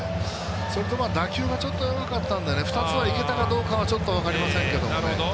それと打球がちょっと弱かったので２つはいけたかどうかは分かりませんね。